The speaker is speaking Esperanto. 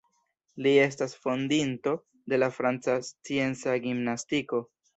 Li estas fondinto de la franca scienca gimnastiko.